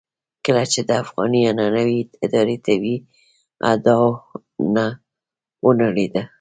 کله چې د افغاني عنعنوي ادارې طبيعي اډانه ونړېده.